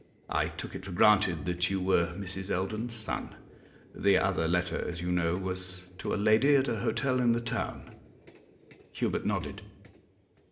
I took it for granted that you were Mrs. Eldon's son. The other letter, as you know, was to a lady at a hotel in the town.' Hubert nodded.